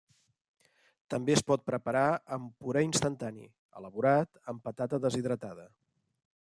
També es pot preparar amb puré instantani, elaborat amb patata deshidratada.